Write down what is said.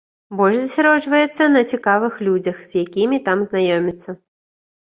Больш засяроджваецца на цікавых людзях, з якімі там знаёміцца.